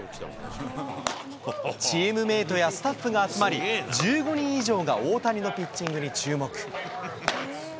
チームメートやスタッフが集まり、１５人以上が大谷のピッチングに注目。